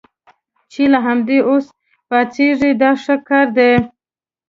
چې له همدا اوس پاڅېږئ دا ښه کار دی.